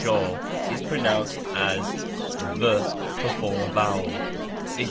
Ao is pronounced as v before a vowel : ex.